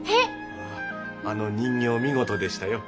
あああの人形見事でしたよ。